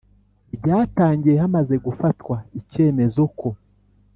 Ryatangiye Hamaze Gufatwa Icyemezo Ko